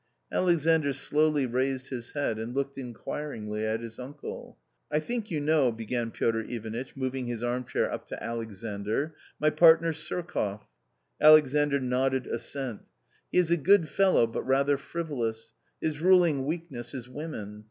Alexandr slowly raised his head and looked inquiringly at his uncle. a I think you know," began Piotr Ivanitch, moving his armchair up to Alexandr, " my partner Surkoff ?" Alexandr nodded assent. u He is a good fellow, but rather frivolous. His ruling weakness is women.